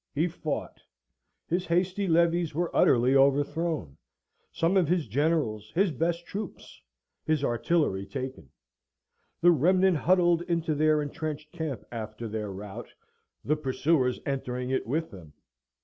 He fought: his hasty levies were utterly overthrown; some of his generals, his best troops, his artillery taken; the remnant huddled into their entrenched camp after their rout, the pursuers entering it with them.